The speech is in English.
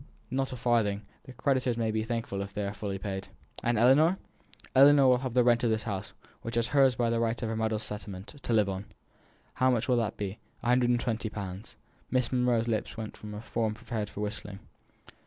"Not a farthing. The creditors may be thankful if they are fully paid." "And Ellinor?" "Ellinor will have the rent of this house, which is hers by right of her mother's settlement, to live on." "How much will that be?" "One hundred and twenty pounds." Miss Monro's lips went into a form prepared for whistling.